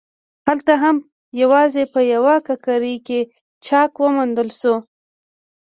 هلته هم یوازې په یوه ککرۍ کې چاک وموندل شو.